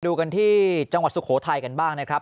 ดูกันที่จังหวัดสุโขทัยกันบ้างนะครับ